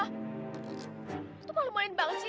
lo tuh malu maluin banget sih